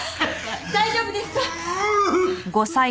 大丈夫ですか？